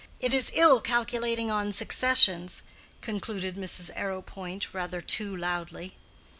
It is ill calculating on successions," concluded Mrs. Arrowpoint, rather too loudly.